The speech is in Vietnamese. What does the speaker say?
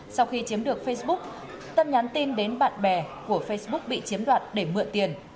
sau khi chiếm được facebook tâm nhắn tin đến bạn bè của facebook bị chiếm đoạt để mượn tiền